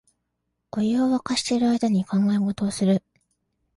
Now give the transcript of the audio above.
お湯をわかしてる間に考え事をする